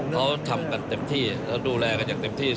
เขาทำกันเต็มที่แล้วดูแลกันอย่างเต็มที่